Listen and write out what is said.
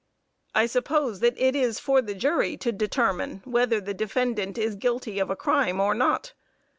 I suppose that it is for the jury to determine whether the defendant is guilty of a crime or not.